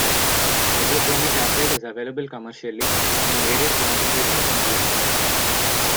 Hydrobromic acid is available commercially in various concentrations and purities.